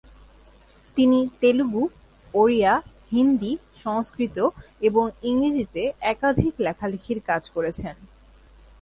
তিনি তেলুগু, ওড়িয়া, হিন্দি, সংস্কৃত, এবং ইংরেজিতে একাধিক লেখালেখির কাজ করেছেন।